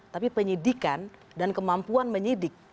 tapi penyidikan dan kemampuan menyidik